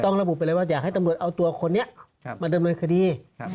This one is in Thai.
ต้องระบุเป็นไรว่าอยากให้ตำรวจเอาตัวคนนี้มาดำรวจคดี